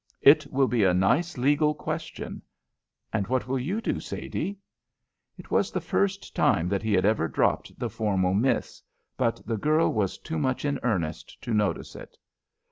It will be a nice legal question. And what will you do, Sadie?" It was the first time that he had ever dropped the formal Miss, but the girl was too much in earnest to notice it.